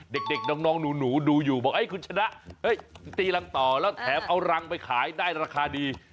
เด็กน้องหนูดูอยู่เบาะแฮ้ยขุมชนะทีรังต่อแถมเอารังไปขายได้รคาดี